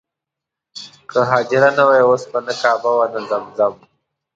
که حاجره نه وای اوس به نه کعبه وه نه زمزم.